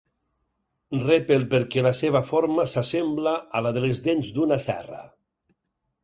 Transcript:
Rep el perquè la seva forma s'assembla a la de les dents d'una serra.